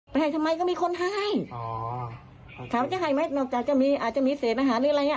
ให้ทำไมก็มีคนให้อ๋อถามว่าจะให้ไหมนอกจากจะมีอาจจะมีเศษอาหารหรืออะไรอ่ะ